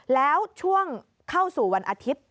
แล้วช่วงเข้าสู่วันอาทิตย์